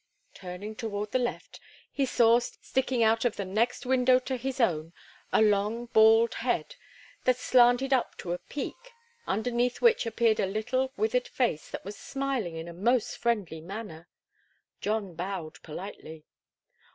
Turning toward the left, he saw sticking out of the next window to his own a long bald head that slanted up to a peak, underneath which appeared a little withered face that was smiling in a most friendly manner. John bowed politely.